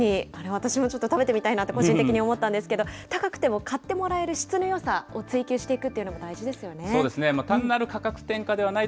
私もちょっと食べてみたいなって、個人的に思ったんですけど、高くても買ってもらえる質のよさを追求していくというのが大事でそうですね。